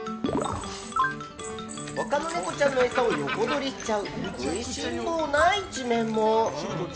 他のネコちゃんの餌を横取りしちゃう食いしん坊な一面も。